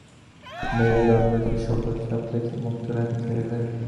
মেরুদণ্ডকে সকল চাপ হইতে মুক্ত রাখিতে হইবে।